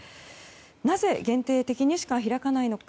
なぜ限定的にしか開かないのか。